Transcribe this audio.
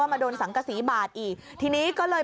ทีนี้ก็เลยไปในทางนี้น่ะครับ